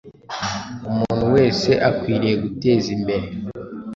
Umuntu wese akwiriye guteza imbere